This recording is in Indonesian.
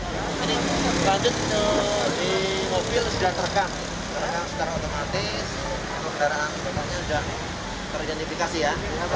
lanjut di mobil sudah terekam terekam secara otomatis kendaraan sudah teridentifikasi ya